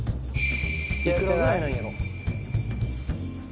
いくらぐらいなんやろ？